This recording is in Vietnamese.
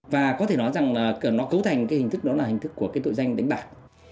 và có thể nói rằng là nó cấu thành cái hình thức đó là hình thức của cái tội danh đánh bạc